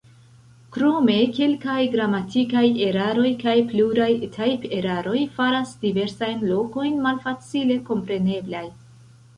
Krome, kelkaj gramatikaj eraroj kaj pluraj tajperaroj faras diversajn lokojn malfacile kompreneblaj.